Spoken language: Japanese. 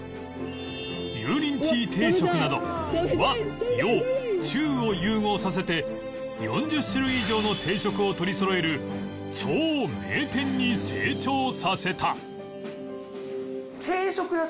油淋鶏定食など和洋中を融合させて４０種類以上の定食を取りそろえる超名店に成長させた